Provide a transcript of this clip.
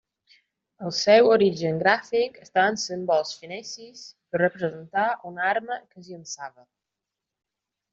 El seu origen gràfic està en símbols fenicis per representar una arma que es llençava.